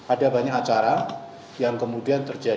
ada banyak acara yang kemudian terjadi